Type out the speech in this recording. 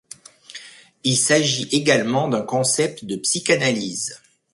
Il s'agit également d'un concept de psychanalyse.